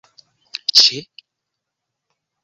ĉe